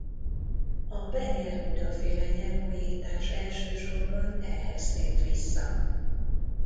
A Ben-Jehuda-féle nyelvújítás elsősorban ehhez tért vissza.